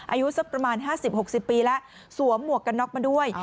อายุสักประมาณ๕๐๖๐ปีแล้วสวมหมวกกันน็อกมาด้วย